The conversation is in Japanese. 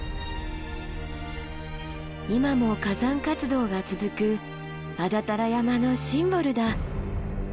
今も火山活動が続く安達太良山のシンボルだ。